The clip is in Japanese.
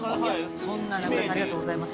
そんな名倉さんありがとうございます。